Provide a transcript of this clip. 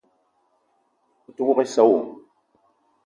O te ouok issa wo?